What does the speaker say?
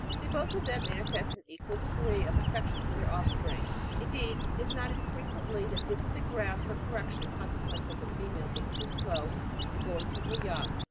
They both of them manifest an equal degree of affection for their offspring ; in deed, it is not unfrequently that this is a ground for correction, in consequence of the female being too slow in going to her young.